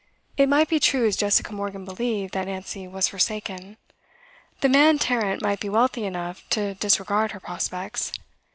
It might be true, as Jessica Morgan believed, that Nancy was forsaken. The man Tarrant might be wealthy enough to disregard her prospects.